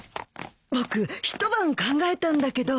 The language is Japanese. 僕一晩考えたんだけど。